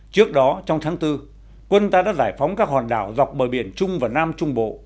trước đó trong tháng bốn quân ta đã giải phóng các hòn đảo dọc bờ biển trung và nam trung bộ